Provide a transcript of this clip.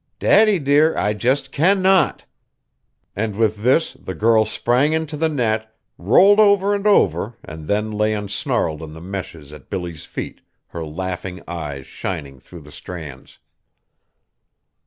Daddy, dear, I just cannot!" And with this the girl sprang into the net, rolled over and over and then lay ensnarled in the meshes at Billy's feet, her laughing eyes shining through the strands.